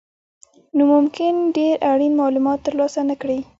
نو ممکن ډېر اړین مالومات ترلاسه نه کړئ.